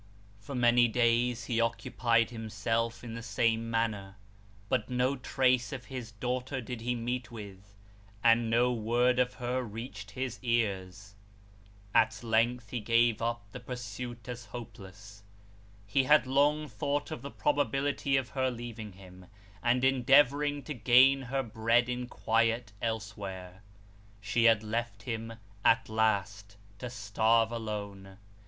For many days he occupied himself in the same manner, but no trace of his daughter did he meet with, and no word of her reached his ears. At length he gave up the pursuit as hopeless. He had long thought of the probability of her leaving him, and endeavouring to gain her bread in quiet, elsewhere. She had left him at last to starve alone.